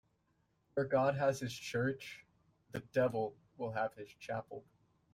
Where God has his church, the devil will have his chapel.